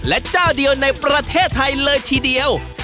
และเจ้าเดียวในประเทศไทยเลยทีเดียว